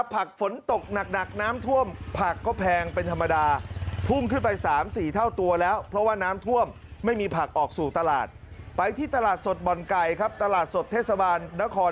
ผักฝนตกหนักน้ำท่วมผักก็แพงเป็นธรรมดาพุ่งขึ้นไป๓๔เท่าตัวแล้วเพราะว่าน้ำท่วมไม่มีผักออกสู่ตลาดไปที่ตลาดสดบ่อนไก่ครับตลาดสดเทศบาลนคร